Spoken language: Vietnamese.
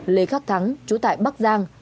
lê khắc thắng chú tại bắc giang